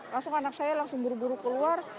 langsung anak saya langsung buru buru keluar